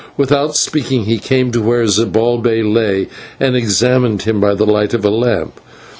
Without speaking, he came to where Zibalbay lay, and examined him by the light of a lamp.